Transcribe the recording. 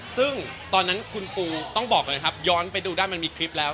ซึ่งตอนนั้นคุณปูต้องบอกเลยครับย้อนไปดูได้มันมีคลิปแล้ว